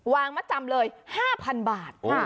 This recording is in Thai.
วางมาจำเลย๕๐๐๐บาท